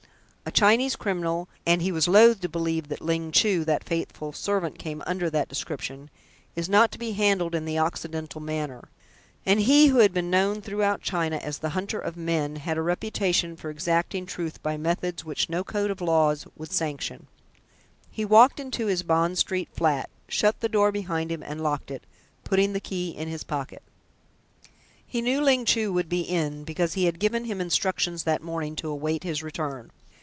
A Chinese criminal and he was loath to believe that Ling Chu, that faithful servant, came under that description is not to be handled in the Occidental manner; and he, who had been known throughout Southern China as the "Hunter of Men" had a reputation for extracting truth by methods which no code of laws would sanction. He walked into his Bond Street flat, shut the door behind him and locked it, putting the key in his pocket. He knew Ling Chu would be in, because he had given him instructions that morning to await his return.